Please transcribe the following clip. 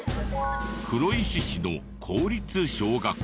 黒石市の公立小学校。